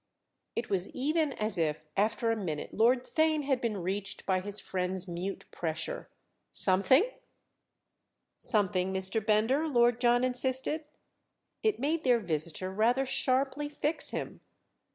It was even as if after a minute Lord Theign had been reached by his friend's mute pressure. "'Something'?" "Something, Mr. Bender?" Lord John insisted. It made their visitor rather sharply fix him.